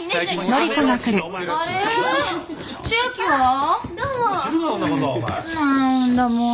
何だもう。